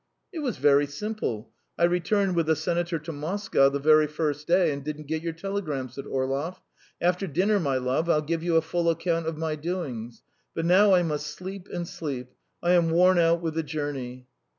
"It was very simple! I returned with the senator to Moscow the very first day, and didn't get your telegrams," said Orlov. "After dinner, my love, I'll give you a full account of my doings, but now I must sleep and sleep. ... I am worn out with the journey."